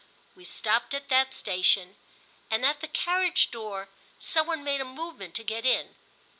We stopped at that station, and, at the carriage door, some one made a movement to get in.